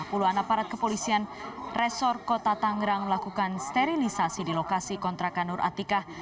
puluhan aparat kepolisian resor kota tangerang melakukan sterilisasi di lokasi kontrakan nur atikah